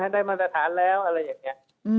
ได้มาตรฐานแล้วอะไรอย่างนี้